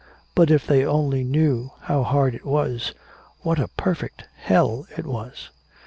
But if they only knew how hard it was what a perfect hell it was!